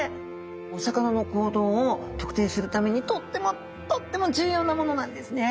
お魚の行動を特定するためにとってもとっても重要なものなんですね。